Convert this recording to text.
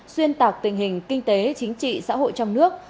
xuyên tạc tình hình kinh tế chính trị xã hội trong nước